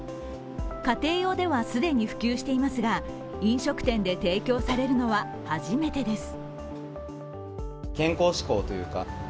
家庭用では既に普及していますが飲食店で提供されるのは初めてです。